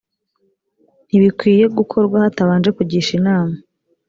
ntibikwiye gukorwa hatabanje kugisha inama